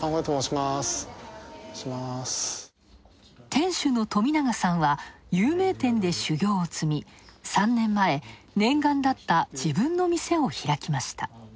店主の冨永さんは有名店で修業を積み３年前、念願だった自分の店を開きました。